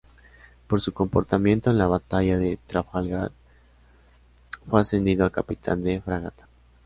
Por su comportamiento en la batalla de Trafalgar, fue ascendido a capitán de fragata.